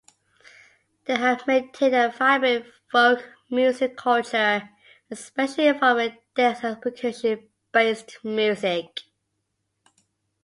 They have maintained a vibrant folk music culture, especially involving dance and percussion-based music.